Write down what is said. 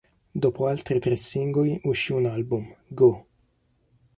Dopo altri tre singoli uscì un album, "Go!